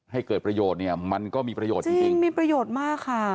ให้เกิดประโยชน์เนี่ยมันก็มีประโยชน์จริงมีประโยชน์มากค่ะ